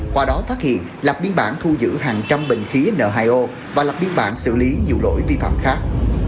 qua đó phát hiện lập biên bản thu giữ hàng trăm bình khí n hai o và lập biên bản xử lý nhiều lỗi vi phạm khác